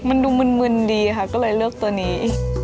มันดูมึนดีค่ะก็เลยเลือกตัวนี้